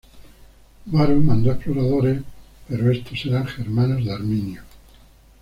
Varo mandó exploradores, pero estos eran germanos de Arminio.